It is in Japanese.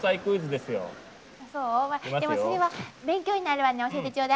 でもそれは勉強になるわね。